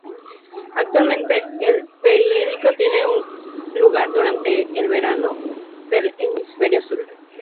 Actualmente, el perihelio tiene lugar durante el verano del hemisferio sur.